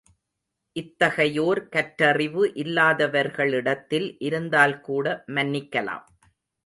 இத்தகையோர் கற்றறிவு இல்லாதவர்களிடத்தில் இருந்தால் கூட மன்னிக்கலாம்.